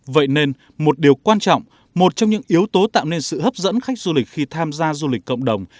vậy nên một điều quan trọng một trong những yếu tố tạo nên sự hấp dẫn khách du lịch khi tham gia du lịch cộng đồng